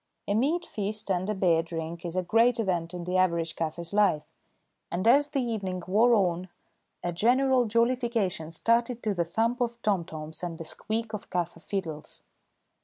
A meat feast and a beer drink is a great event in the average kaffir's life, and as the evening wore on a general jollification started to the thump of tomtoms and the squeak of kaffir fiddles.